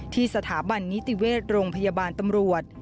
ที่สถาบันนิติเวชโรงพยาบาลตำรวจ